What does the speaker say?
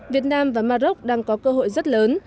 việt nam và maroc đang có cơ hội rất lớn